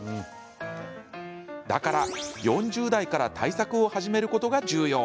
だから、４０代から対策を始めることが重要。